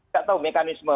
tidak tahu mekanisme